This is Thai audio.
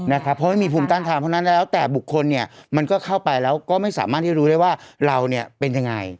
เพราะไม่มีภูมิต้านทานเพราะฉะนั้นแล้วแต่บุคคลมันก็เข้าไปแล้วก็ไม่สามารถที่รู้ได้ว่าเราเป็นยังไง